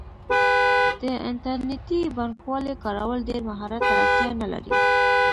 د انټرنیټي بانکوالۍ کارول ډیر مهارت ته اړتیا نه لري.